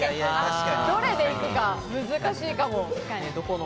どれで行くか難しいかも。